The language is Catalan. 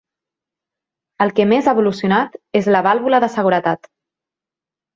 El que més ha evolucionat és la vàlvula de seguretat.